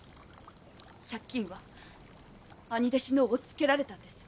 借金は兄弟子のをおっつけられたんです。